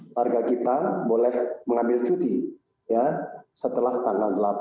warga kita boleh mengambil cuti setelah tanggal delapan